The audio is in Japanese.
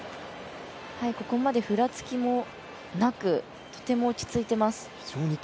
ここまで、ふらつきもなくとても落ち着いています。